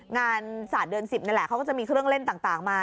งานศาสตร์เดือน๑๐นี่แหละเขาก็จะมีเครื่องเล่นต่างมา